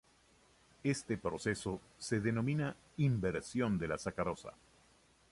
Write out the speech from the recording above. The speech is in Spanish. Este proceso se denomina inversión de la sacarosa.